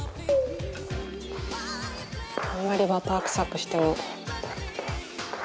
あんまりバターくさくしても。